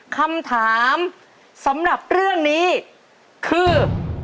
คำถามสำหรับเรื่องนี้คือ